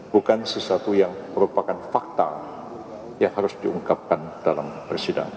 bukan sesuatu yang merupakan fakta yang harus diungkapkan dalam persidangan